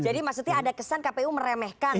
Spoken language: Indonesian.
jadi maksudnya ada kesan kpu meremehkan